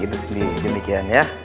gitu sendiri demikian ya